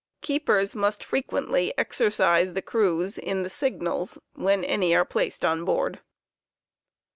Keepers must frequently exercise the crews in the signals, when any are placed on board.